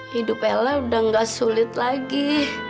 hidup ella sudah tidak sulit lagi